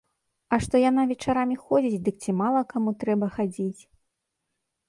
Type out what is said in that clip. А што яна вечарамі ходзіць, дык ці мала каму трэба хадзіць.